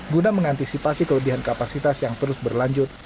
guna mengantisipasi kelebihan kapasitas yang terus berlanjut